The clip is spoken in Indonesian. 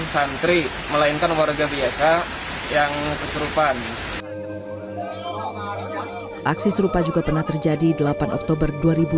santri melainkan warga biasa yang kesurupan aksi serupa juga pernah terjadi delapan oktober dua ribu dua puluh